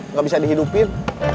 nggak bisa dihidupin